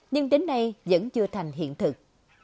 nhưng đến nay vẫn chưa thành hiện thực